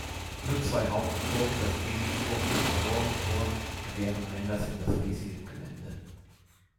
Nur zwei Haupttore, das Delhi-Tor und das Lahore-Tor, gewähren Einlass in das riesige Gelände.